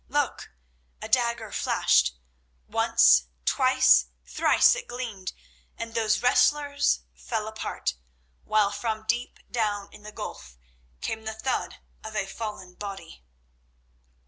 Look! A dagger flashed. Once, twice, thrice it gleamed, and those wrestlers fell apart, while from deep down in the gulf came the thud of a fallen body.